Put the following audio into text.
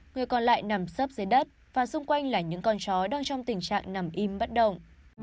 người còn lại nằm sấp dưới đất và xung quanh là những con chó đang trong tình trạng nằm im bất động